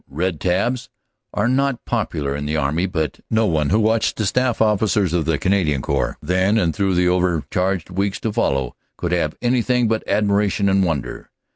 "Red tabs" are not popular in the army but no one who watched the staff officers of the Canadian Corps then and through the over charged weeks to follow could have anything but admiration and wonder.